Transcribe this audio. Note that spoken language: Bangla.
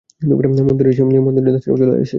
মন্দিরের দাসীরাও চলে আসে।